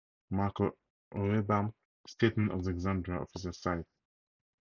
"Marco Heubaum statement on the Xandria Official Site"